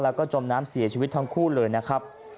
แล้วก็จมน้ำเสียชีวิตทั้งคู่เลยนะครับ